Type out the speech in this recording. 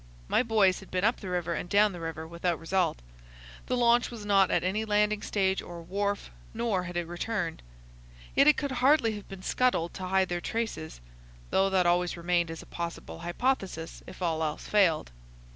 My boys had been up the river and down the river without result. The launch was not at any landing stage or wharf, nor had it returned. Yet it could hardly have been scuttled to hide their traces,—though that always remained as a possible hypothesis if all else failed.